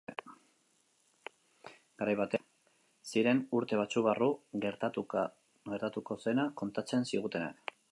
Garai batean aztiak eta iragarleak ziren urte batzuk barru gertatuko zena kontatzen zigutenak.